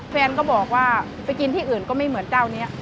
แฟนก็บอกว่าไปกินที่อื่นก็ไม่เหมือนเจ้านี้